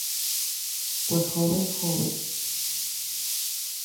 Kuejóbe njóbe.